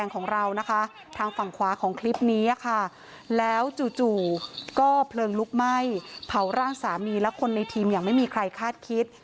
เขาร่างสามีและคนในทีมอย่างไม่มีใครคาดคิด